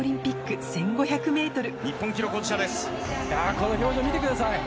この表情見てください。